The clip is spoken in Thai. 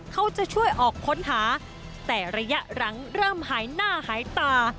เขาจะช่วยออกค้นหาแต่ระยะหลังเริ่มหายหน้าหายตา